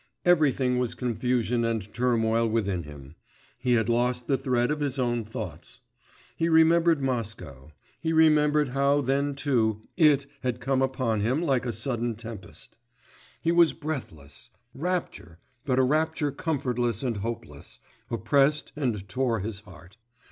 Everything was confusion and turmoil within him; he had lost the thread of his own thoughts. He remembered Moscow, he remembered how then too 'it' had come upon him like a sudden tempest. He was breathless; rapture, but a rapture comfortless and hopeless, oppressed and tore his heart.